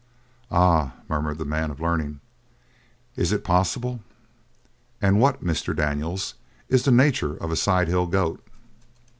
"Ah," murmured the man of learning, "is it possible? And what, Mr. Daniels, is the nature of a side hill goat?"